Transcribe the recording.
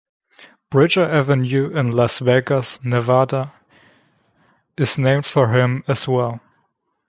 Bridger Avenue in Las Vegas, Nevada is named for him as well.